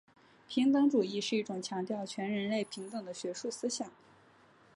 平等主义是一种强调全人类平等的学术思想。